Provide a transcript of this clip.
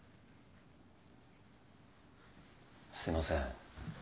すいません